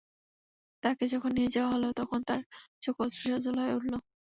তাকে যখন নিয়ে যাওয়া হল তখন তার চোখ অশ্রুসজল হয়ে উঠল।